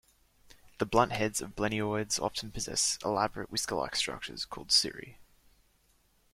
The blunt heads of blennioids often possess elaborate whisker-like structures called cirri.